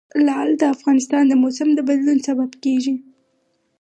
لعل د افغانستان د موسم د بدلون سبب کېږي.